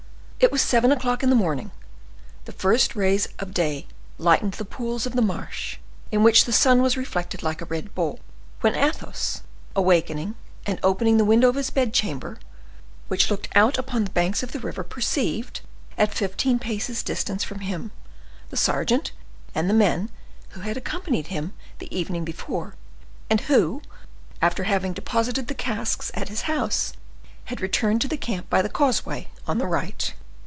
It was seven o'clock in the morning, the first rays of day lightened the pools of the marsh, in which the sun was reflected like a red ball, when Athos, awakening and opening the window of his bed chamber, which looked out upon the banks of the river, perceived, at fifteen paces' distance from him, the sergeant and the men who had accompanied him the evening before, and who, after having deposited the casks at his house, had returned to the camp by the causeway on the right.